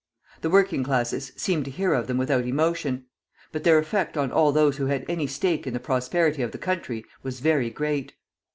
The working classes seemed to hear of them without emotion; but their effect on all those who had any stake in the prosperity of the country was very great.